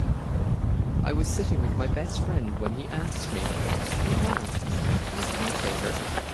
I was sitting with my best friend when he asked me, "Hey Hannah, can you do me a favor?"